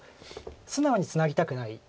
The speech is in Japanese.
素直にツナぎたくない。